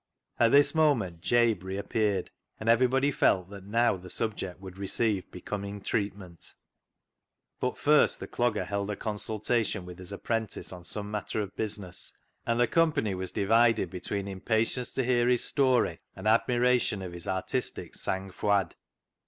At this moment Jabe reappeared, and every body felt that now the subject would receive becoming treatment. But first the Clogger held a consultation with his apprentice on some matter of business, and the company was divided between impatience to hear his story and admiration of his artistic sang f void.